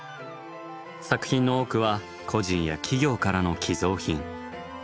作品の多くは個人や企業からの寄贈品。